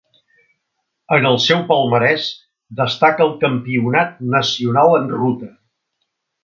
En el seu palmarès destaca el Campionat nacional en ruta.